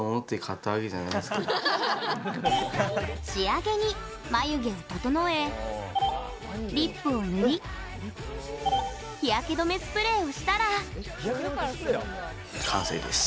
仕上げに、眉毛を整えリップを塗り日焼け止めスプレーをしたら。